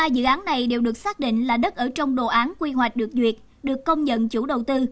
ba dự án này đều được xác định là đất ở trong đồ án quy hoạch được duyệt được công nhận chủ đầu tư